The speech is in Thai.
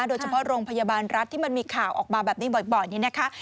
โดยเฉพาะโรงพยาบาลรัฐที่มันมีข่าวออกมาแบบนี้บ่อยนี่นะคะ